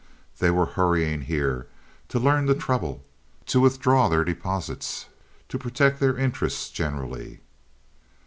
They were hurrying here to learn the trouble, to withdraw their deposits, to protect their interests generally.